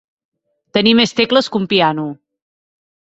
Tenir més tecles que un piano.